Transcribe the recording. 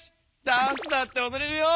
ダンスだっておどれるよ！